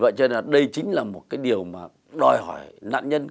vậy cho nên đây chính là một cái điều mà đòi hỏi nạn nhân